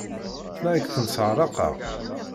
La ak-tent-sseɛraqeɣ?